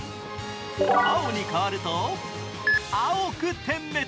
青に変わると青く点滅。